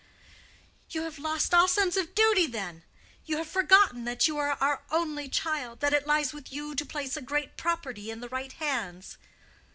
"You have lost all sense of duty, then? You have forgotten that you are our only child—that it lies with you to place a great property in the right hands?"